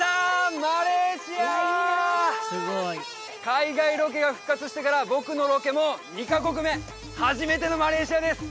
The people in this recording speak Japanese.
海外ロケが復活してから僕のロケも２カ国目初めてのマレーシアです